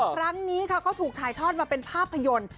ครั้งนี้ค่ะเขาถูกถ่ายทอดมาเป็นภาพยนตร์